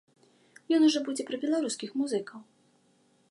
Ён ўжо будзе пра беларускіх музыкаў.